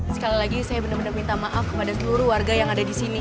sekali lagi saya benar benar minta maaf kepada seluruh warga yang ada di sini